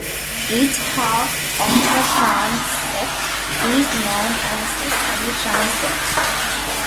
Each half of a transept is known as a "semitransept".